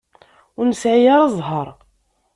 Ur nesɛi ara ẓẓher.